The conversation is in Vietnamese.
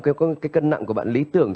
cái cân nặng của bạn lý tưởng